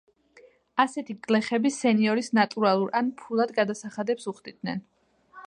ასეთი გლეხები სენიორს ნატურალურ ან ფულად გადასახადებს უხდიდნენ.